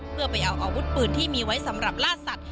เพื่อไปเอาอาวุธปืนที่มีไว้สำหรับล่าสัตว